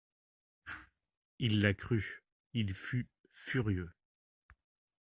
Il la crut, il fut furieux.